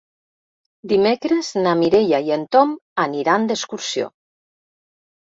Dimecres na Mireia i en Tom aniran d'excursió.